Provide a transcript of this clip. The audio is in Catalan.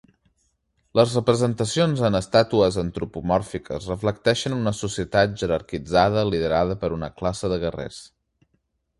Les representacions en estàtues antropomòrfiques reflecteixen una societat jerarquitzada liderada per una classe de guerrers.